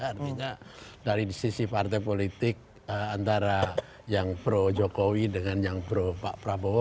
artinya dari sisi partai politik antara yang pro jokowi dengan yang pro pak prabowo